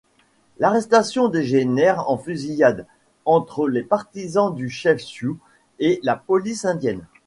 L’arrestation dégénère en fusillade entre les partisans du chef sioux et la police indienne.